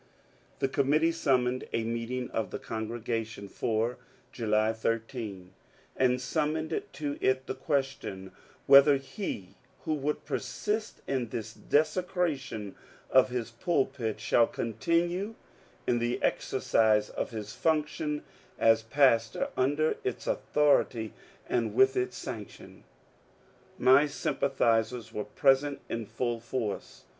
The committee summoned a meeting of the c#ngregation for July 13, and submitted to it the question ^^ whether he who thus persists in this desecration of his pulpit shall continue in the exercise of his function as pastor, under its authority and with its sanction." My sympathizers were present in full force.